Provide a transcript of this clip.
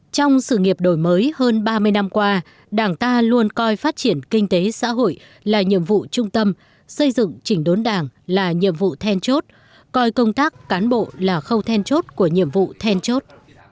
trong sự nghiệp đổi mới hơn ba mươi năm qua đảng ta luôn coi phát triển kinh tế xã hội là nhiệm vụ trung tâm xây dựng chỉnh đốn đảng là nhiệm vụ then chốt coi công tác cán bộ là khâu then chốt của nhiệm vụ then chốt